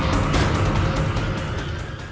โปรดติดตามตอนต่อไป